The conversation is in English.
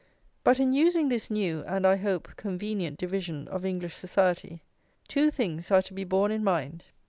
But in using this new, and, I hope, convenient division of English society, two things are to be borne in mind.